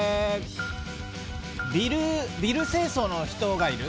ビル清掃の人がいる。